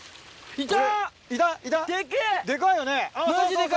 いた？